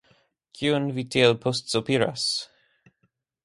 Kion vi tiel postsopiras?